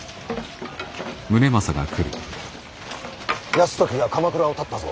泰時が鎌倉をたったぞ。